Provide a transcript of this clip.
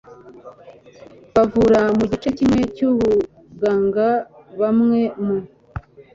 bavura mu gice kimwe cyubuganga bamwe mu